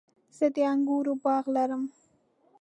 زه د انګورو باغ لرم